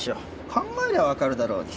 考えりゃ分かるだろうに。